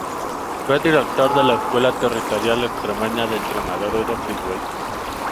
Fue Director de la Escuela Territorial Extremeña de Entrenadores de Fútbol.